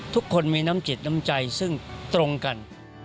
ทุกคนมีน้ำจิตน้ำใจซึ่งตรงกัน